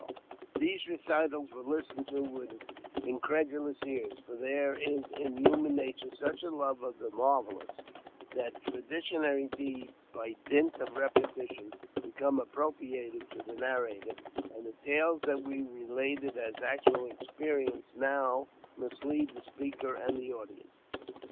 62 AUTOBIOGBAPHY OF These recitals were listened to with incredulous ears ; for there is in human nature such a love of the marvellous, that tradi tionary deeds, by dint of repetition, become appropriated to the narrator, and the tales that we related as actual experience now mislead the speaker and the audience.